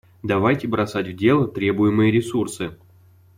Давайте бросать в дело требуемые ресурсы.